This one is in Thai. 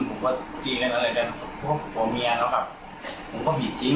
ผมก็จริงกับอะไรกันเพราะว่าผมตัวเมียแล้วครับผมก็ผิดจริง